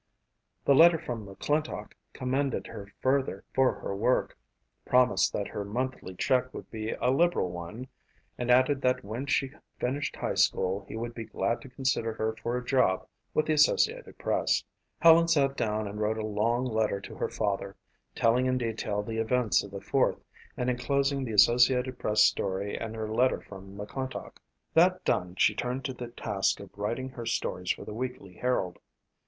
The letter from McClintock commended her further for her work, promised that her monthly check would be a liberal one and added that when she finished high school he would be glad to consider her for a job with the Associated Press. Helen sat down and wrote a long letter to her father, telling in detail the events of the Fourth and enclosing the Associated Press story and her letter from McClintock. That done, she turned to the task of writing her stories for the Weekly Herald.